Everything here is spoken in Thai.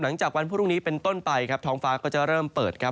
หลังจากวันพรุ่งนี้เป็นต้นไปครับท้องฟ้าก็จะเริ่มเปิดครับ